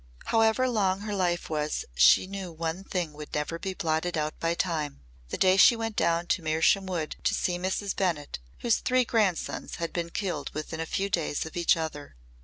Howsoever long her life was she knew one thing would never be blotted out by time the day she went down to Mersham Wood to see Mrs. Bennett, whose three grandsons had been killed within a few days of each other.